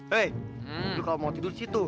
hei lo kalau mau tidur disitu